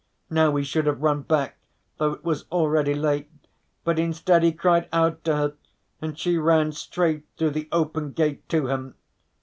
Now he should have run back, though it was already late, but instead he cried out to her, and she ran straight through the open gate to him.